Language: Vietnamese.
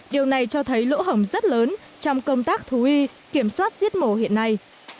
điều này cho thấy lỗ hồng rất lớn trong công tác thú y kiểm soát giết mổ hiện nay